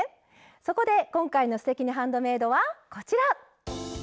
そこで今回の「すてきにハンドメイド」はこちら！